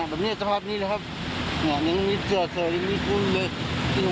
เขาไปเก็บไหนเลย